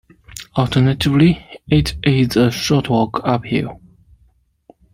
Alternatively, it is a short walk uphill.